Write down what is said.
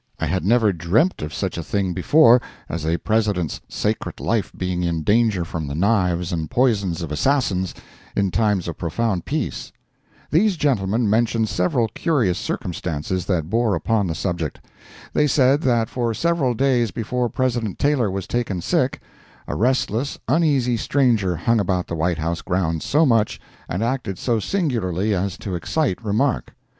I had never dreamt of such a thing before as a President's sacred life being in danger from the knives and poisons of assassins in times of profound peace. These gentlemen mentioned several curious circumstances that bore upon the subject. They said that for several days before President Taylor was taken sick, a restless, uneasy stranger hung about the White House grounds so much, and acted so singularly as to excite remark.